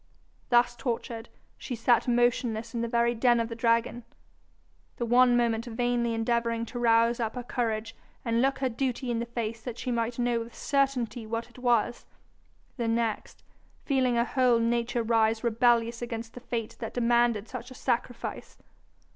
Thus tortured, she sat motionless in the very den of the dragon, the one moment vainly endeavouring to rouse up her courage and look her duty in the face that she might know with certainty what it was; the next, feeling her whole nature rise rebellious against the fate that demanded such a sacrifice.